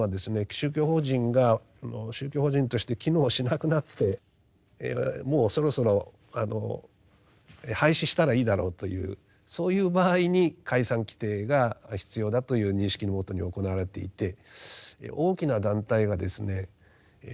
宗教法人が宗教法人として機能しなくなってもうそろそろ廃止したらいいだろうというそういう場合に解散規定が必要だという認識のもとに行われていて大きな団体がですね